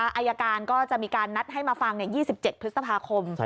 อายการก็จะมีการนัดให้มาฟัง๒๗พฤษภาคม